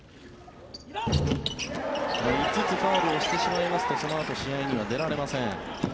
５つファウルをしてしまいますとそのあと試合には出られません。